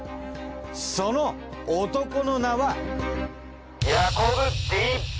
その男の名は。